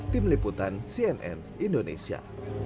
tim liputan cnn indonesia